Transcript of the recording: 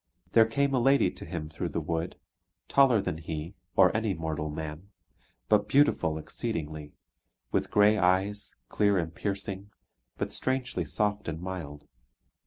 There came a lady to him through the wood, taller than he, or any mortal man; but beautiful exceedingly, with grey eyes, clear and piercing, but strangely soft and mild.